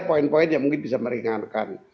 poin poin yang mungkin bisa meringankan